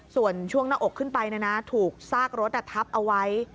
ส่วนช่วงหน้าอกขึ้นไปถูกซากรถทับเอาไว้